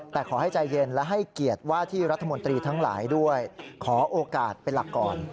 แต่ขอให้ใจเย็นและให้เกียรติว่าที่รัฐมนตรีทั้งหลายด้วยขอโอกาสเป็นหลักก่อน